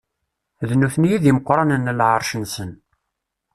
D nutni i d imeqranen n leɛṛac-nsen.